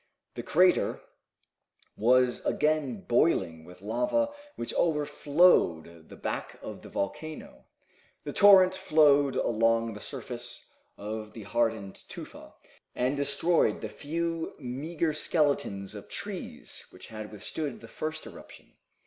The crater was again boiling with lava which overflowed the back of the volcano. The torrent flowed along the surface of the hardened tufa, and destroyed the few meager skeletons of trees which had withstood the first eruption.